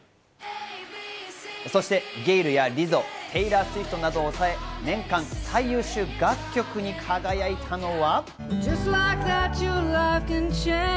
そしてゲイルやリゾ、テイラー・スウィフトなどを抑え、年間最優秀楽曲に輝いたのは。